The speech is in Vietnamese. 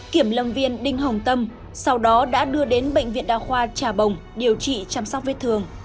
kiểm lâm viên đinh hồng tâm sau đó đã đưa đến bệnh viện đa khoa trà bồng điều trị chăm sóc vết thương